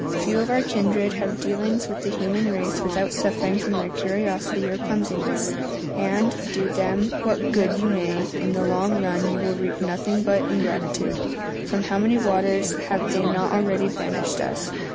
Few of our kindred have had dealings with the human race without suffering from their curiosity or clumsiness; and, do them what good you may, in the long run you will reap nothing but ingratitude. From how many waters have they not already banished us?